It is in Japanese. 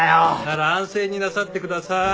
なら安静になさってください。